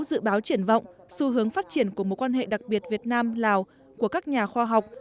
dự báo triển vọng xu hướng phát triển của mối quan hệ đặc biệt việt nam lào của các nhà khoa học